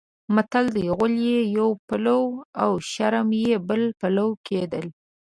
متل دی: غول یې یو پلو او شرم یې بل پلو کېدل.